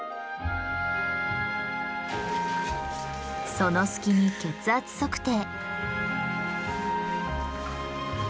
その隙に血圧測定。